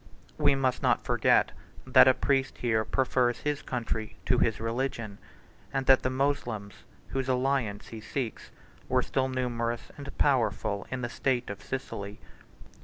136 We must not forget, that a priest here prefers his country to his religion; and that the Moslems, whose alliance he seeks, were still numerous and powerful in the state of Sicily.